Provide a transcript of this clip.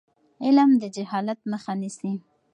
علم د جهالت مخه نیسي.